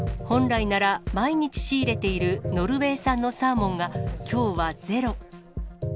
本来なら、毎日仕入れているノルウェー産のサーモンが、きょうはゼロ。